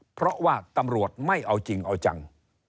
เพราะว่าตำรวจไม่เอาจริงเอาจัง